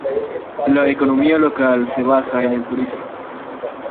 La economía local se basa en el turismo.